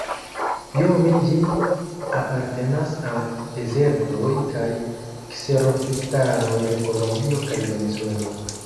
Biome ĝi apartenas al dezertoj kaj kserofitaroj de Kolombio kaj Venezuelo.